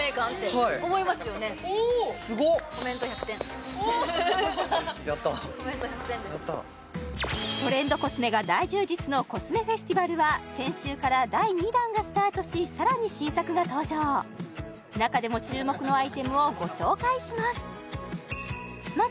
やったやったコメント１００点ですトレンドコスメが大充実のコスメフェスティバルは先週から第２弾がスタートしさらに新作が登場中でも注目のアイテムをご紹介します